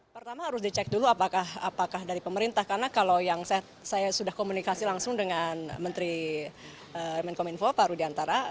pertama harus dicek dulu apakah dari pemerintah karena kalau yang saya sudah komunikasi langsung dengan menteri menkominfo pak rudiantara